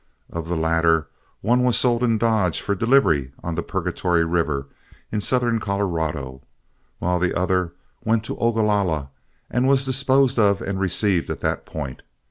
Of the latter, one was sold in Dodge for delivery on the Purgatory River in southern Colorado, while the other went to Ogalalla, and was disposed of and received at that point.